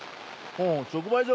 直売所。